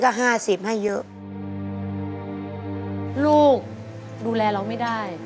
รู้สึกยังไง